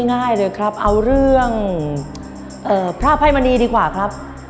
ง่ายเลยครับเอาเรื่องพระอภัยมณีดีกว่าครับ